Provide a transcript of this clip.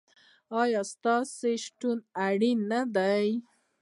ایا ستاسو شتون اړین نه دی؟